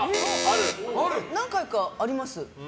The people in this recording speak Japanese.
何回かあります。